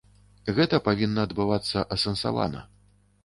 Гэта павінна адбывацца асэнсавана.